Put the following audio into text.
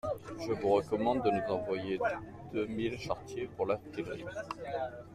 Je vous recommande de nous envoyer deux mille charretiers pour l'artillerie.